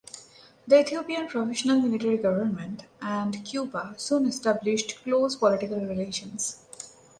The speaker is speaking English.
The Ethiopian Provisional Military Government and Cuba soon established close political relations.